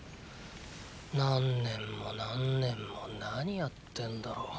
何年も何年も何やってんだろ。